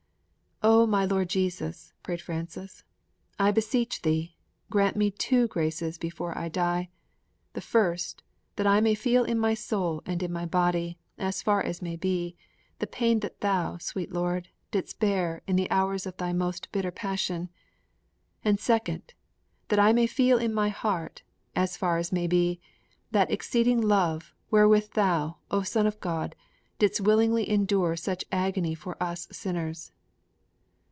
'O my Lord Jesus,' prayed Francis, 'I beseech Thee, grant me two graces before I die; the first, that I may feel in my soul and in my body, as far as may be, the pain that Thou, sweet Lord, didst bear in the hours of Thy most bitter passion; the second, that I may feel in my heart, as far as may be, that exceeding love wherewith Thou, O Son of God, didst willingly endure such agony for us sinners.'